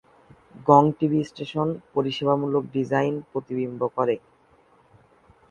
গং TV station পরিষেবার মূল ডিজাইন প্রতিবিম্বিত করে।